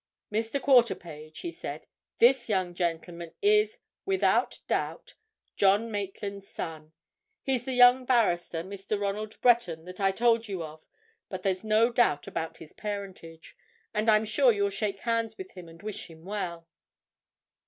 "Mr. Quarterpage," he said, "this young gentleman is, without doubt, John Maitland's son. He's the young barrister, Mr. Ronald Breton, that I told you of, but there's no doubt about his parentage. And I'm sure you'll shake hands with him and wish him well."